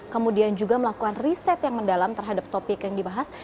kemudian juga melakukan riset yang mendalam terhadap topik yang dibahas